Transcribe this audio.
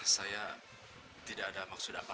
saya tidak ada maksud apa apa